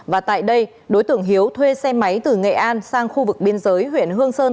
và tại đây đối tượng hiếu thuê xe máy từ nghệ an sang khu vực biên giới huyện hương sơn